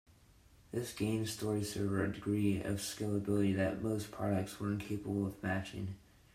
This gained StoryServer a degree of scalability that most products were incapable of matching.